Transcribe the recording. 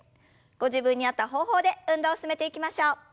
ご自分に合った方法で運動を進めていきましょう。